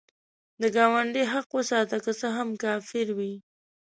د ګاونډي حق وساته، که څه هم کافر وي